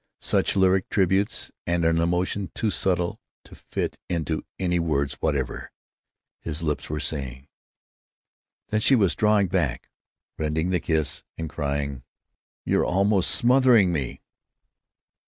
Such lyric tributes, and an emotion too subtle to fit into any words whatever, his lips were saying.... Then she was drawing back, rending the kiss, crying, "You're almost smothering me!"